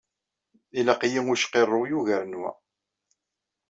Ilaq-iyi ucqirrew yugaren wa.